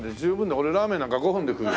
俺ラーメンなんか５分で食うよ。